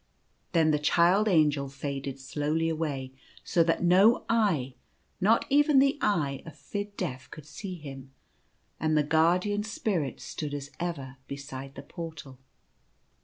Then the Child Angel faded slowly away, so that no eye — not even the eye of Fid Def — could see him ; and the Guardian Spirits stood as ever beside the Portal.